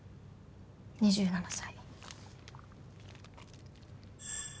２７歳。